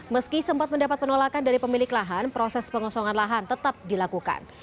meski sempat mendapat penolakan dari pemilik lahan proses pengosongan lahan tetap dilakukan